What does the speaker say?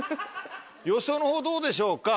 予想のほうどうでしょうか？